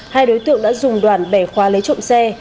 hai đối tượng đã dùng đoàn bẻ khóa lấy trộm xe